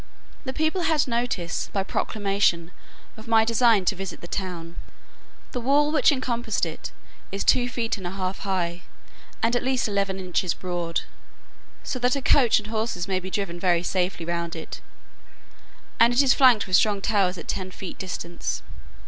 The people had notice, by proclamation, of my design to visit the town. The wall which encompassed it is two feet and a half high, and at least eleven inches broad, so that a coach and horses may be driven very safely round it; and it is flanked with strong towers at ten feet distance.